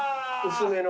薄めの。